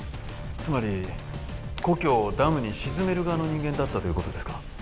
つまり故郷をダムに沈める側の人間だったということですか？